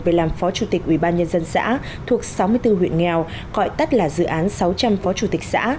về làm phó chủ tịch ubnd xã thuộc sáu mươi bốn huyện nghèo gọi tắt là dự án sáu trăm linh phó chủ tịch xã